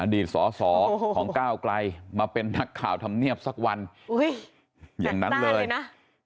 สอสอของก้าวไกลมาเป็นนักข่าวธรรมเนียบสักวันอุ้ยอย่างนั้นเลยนะ